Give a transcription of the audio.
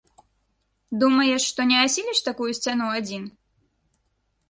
Думаеш, што не асіліш такую сцяну адзін?